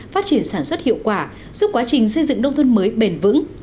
phát triển sản xuất hiệu quả giúp quá trình xây dựng nông thôn mới bền vững